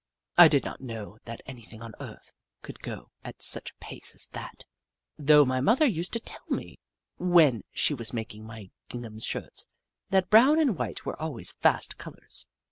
I did not know that anything on earth could go at such a pace as that, though my mother used to tell me, when she was making my gingham shirts, that brown and white were always fast colours.